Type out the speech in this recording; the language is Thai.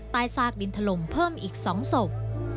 แต่ซากดินทะลมเพิ่มอีก๒ศพ